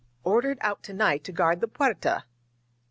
Ordered out to night to guard the Puerta!"